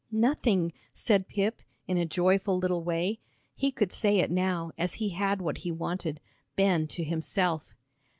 "Nothing," said Pip, in a joyful little way. He could say it now, as he had what he wanted Ben to himself.